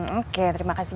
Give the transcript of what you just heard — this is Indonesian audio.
oke terima kasih